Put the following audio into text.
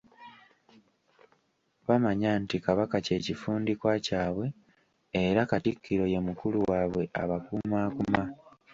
Bamanya nti Kabaka kye kifundikwa kyabwe era Katikkiro ye mukulu waabwe abakumaakuma.